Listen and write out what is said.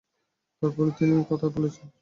তার পরও তিনি কথা বলেছেন।